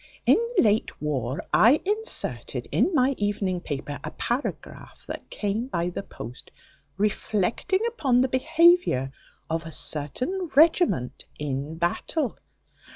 In the late war, I inserted in my evening paper, a paragraph that came by the post, reflecting upon the behaviour of a certain regiment in battle.